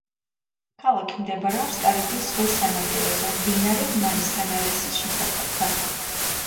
ქალაქი მდებარეობს კარიბის ზღვის სანაპიროზე, მდინარე მანსანარესის შესართავთან.